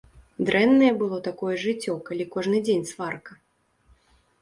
Дрэннае было такое жыццё, калі кожны дзень сварка?